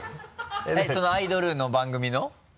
そのアイドルの番組の？